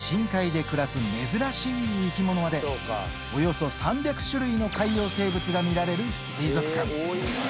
駿河湾に生息する魚に加え、深海で暮らす珍しい生き物まで、およそ３００種類の海洋生物が見られる水族館。